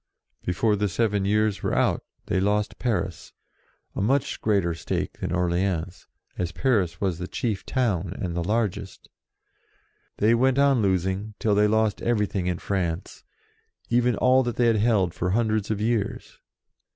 Before the seven years were out they lost Paris, a much greater stake than Orleans, as Paris was the chief town and the largest They went on losing till they lost everything in France, even all that they had held for hundreds of years.